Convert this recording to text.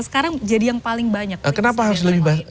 sekarang jadi yang paling banyak